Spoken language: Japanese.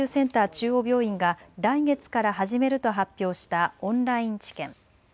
中央病院が来月から始めると発表したオンライン治験。